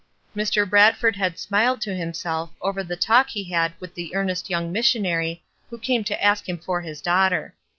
Mr. Bradford had smiled to himself over the talk he had with the earnest young missionary who came to ask him for his daughter.